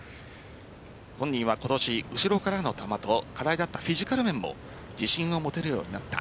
本人は今年、後ろからの球と課題だったフィジカル面も自信を持てるようになった。